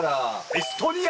エストニア！？